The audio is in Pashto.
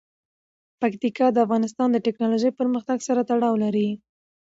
پکتیکا د افغانستان د تکنالوژۍ پرمختګ سره تړاو لري.